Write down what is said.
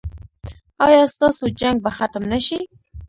ایا ستاسو جنګ به ختم نه شي؟